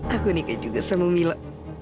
aku nikah juga sama milo